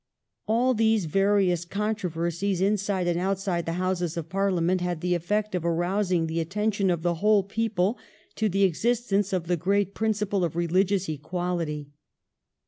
All these various controversies inside and outside the Houses of Parlia ment had the effect of arousing the attention of the whole people to the existence of the great principle of religious equality.